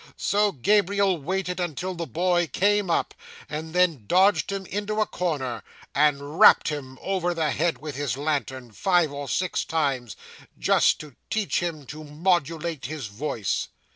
So Gabriel waited until the boy came up, and then dodged him into a corner, and rapped him over the head with his lantern five or six times, just to teach him to modulate his voice.